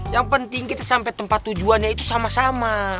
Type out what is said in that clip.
yang penting kita sampai tempat tujuannya itu sama sama